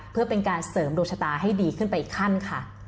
เพื่อเป็นการเสริมดวงชะตาให้ดีขึ้นไปอีกขั้นค่ะ